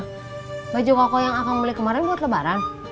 kau baju koko yang aku beli kemarin buat lebaran